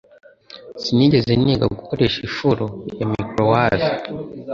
Sinigeze niga gukoresha ifuru ya microwave.